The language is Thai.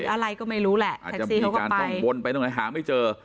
อะไรก็ไม่รู้แหละแท็กซี่เขาก็จะต้องวนไปตรงไหนหาไม่เจอ